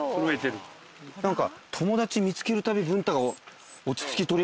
何か。